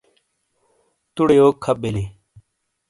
تُؤڑے یوک کھپ بلیں؟